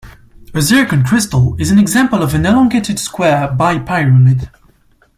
A zircon crystal is an example of an elongated square bipyramid.